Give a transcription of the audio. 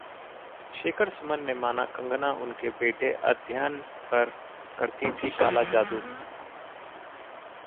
शेखर सुमन ने माना कंगना उनके बेटे अध्ययन पर करती थी काला जादू